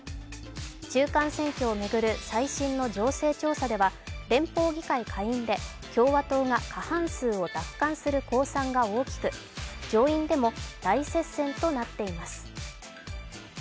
中間選挙を巡る最新の情勢調査では連邦議会下院で共和党が過半数を奪還する公算が大きく上院でも大接戦となっています。